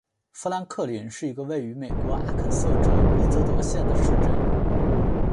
富兰克林是一个位于美国阿肯色州伊泽德县的市镇。